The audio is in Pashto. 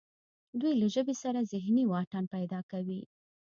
دوی له ژبې سره ذهني واټن پیدا کوي